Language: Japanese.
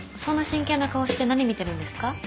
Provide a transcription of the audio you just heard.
そんな真剣な顔して何見てるんですか？